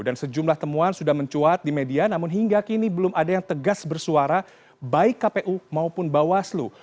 dan sejumlah temuan sudah mencuat di media namun hingga kini belum ada yang tegas bersuara baik kpu maupun bawaslu